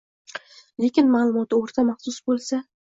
lekin ma’lumoti o‘rta maxsus bo‘lsa